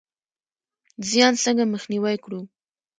زیان څنګه مخنیوی کړو؟